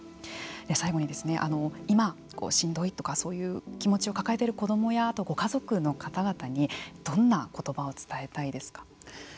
最後に今、しんどいとかそういう気持ちを抱えている子どもやご家族の方々にどんな言葉を伝えたいですか。